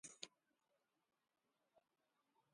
haratam utush kuru ushashqa.